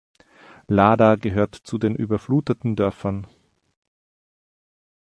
Lada gehörte zu den überfluteten Dörfern.